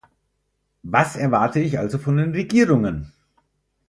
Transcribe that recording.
Was erwarte ich also von den Regierungen?